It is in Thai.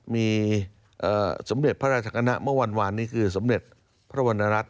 มีสำเร็จพระราชกณะเมื่อวันวานนี้คือสำเร็จพระวัณรัฐ